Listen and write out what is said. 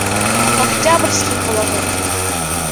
Октябрьский ҡалаһы.